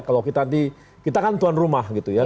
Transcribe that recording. kalau kita nanti kita kan tuan rumah gitu ya